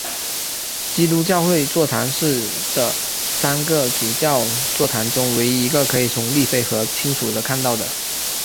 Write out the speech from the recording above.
基督教会座堂是的三个主教座堂中唯一一个可以从利菲河清楚地看到的。